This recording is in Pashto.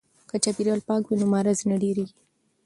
که چاپیریال پاک وي نو مرض نه ډیریږي.